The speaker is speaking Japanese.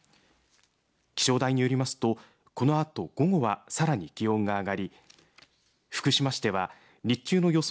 気象台によりますとこのあと午後はさらに気温が上がり福島市では日中の予想